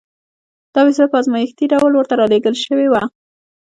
دا وسیله په ازمایښتي ډول ورته را لېږل شوې وه